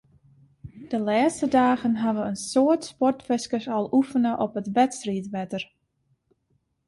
De lêste dagen hawwe in soad sportfiskers al oefene op it wedstriidwetter.